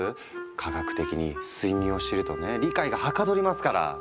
科学的に睡眠を知るとね理解がはかどりますから！